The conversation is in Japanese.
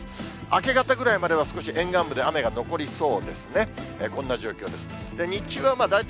明け方ぐらいまでは少し沿岸部で雨が残りそうですね。